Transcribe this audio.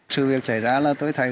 sự việc chảy ra là tôi thấy